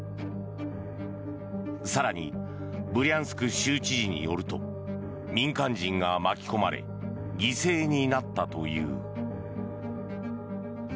更にブリャンスク州知事によると民間人が巻き込まれ犠牲になったという。